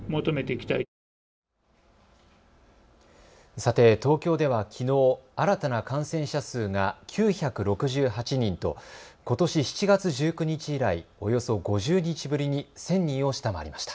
さて東京ではきのう新たな感染者数が９６８人とことし７月１９日以来、およそ５０日ぶりに１０００人を下回りました。